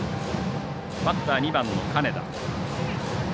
バッター、２番の金田。